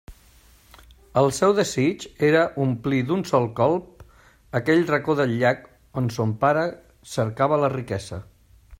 El seu desig era omplir d'un sol colp aquell racó del llac on son pare cercava la riquesa.